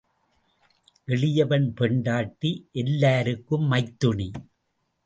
எளியவன் பெண்டாட்டி எல்லாருக்கும் மைத்துணி.